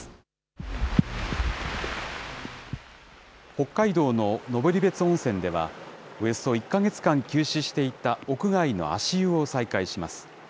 北海道の登別温泉では、およそ１か月間休止していた屋外の足湯を再開します。